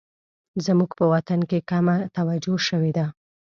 زموږ په وطن کې کمه توجه شوې ده